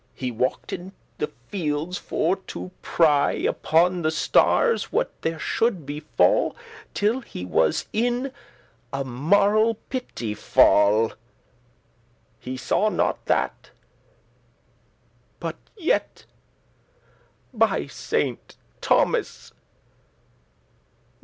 * He walked in the fieldes for to *pry Upon* the starres, what there should befall, *keep watch on* Till he was in a marle pit y fall.<26> He saw not that. But yet, by Saint Thomas!